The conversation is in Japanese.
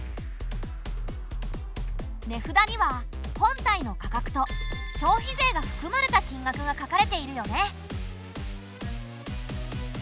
値札には本体の価格と消費税がふくまれた金額が書かれているよね。